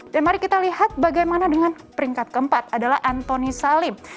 dan mari kita lihat bagaimana dengan peringkat keempat adalah antoni salim